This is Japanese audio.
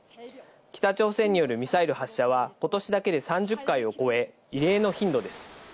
北朝鮮によるミサイル発射は今年だけで３０回を超え、異例の頻度です。